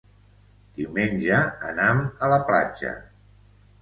Diumenge anam a la platja.